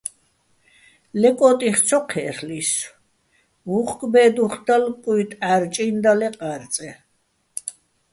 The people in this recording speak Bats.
ლე კო́ტიხ ცო ჴე́რლ'ისო̆, უ̂ხკ ბე́დეჼ დალო̆, კუჲტი ჺარჭინი́ და ლე ყა́რწეჼ.